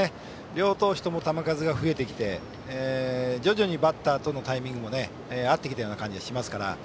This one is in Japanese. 両投手とも球数が増えてきて徐々にバッターとのタイミングも合ってきたような感じがしますから。